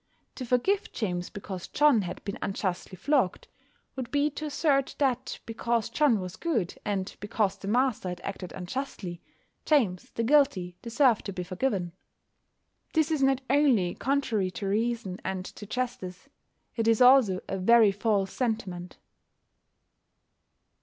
To forgive James because John had been unjustly flogged would be to assert that because John was good, and because the master had acted unjustly, James the guilty deserved to be forgiven. This is not only contrary to reason and to justice: it is also a very false sentiment.